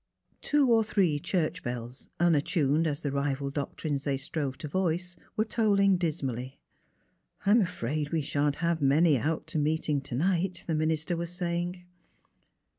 Two or three church bells, unattuned as the rival doctrines they strove to voice, were tolling dis mally. ''I'm afraid we shan't have many out to meet ing to night," the minister was saying.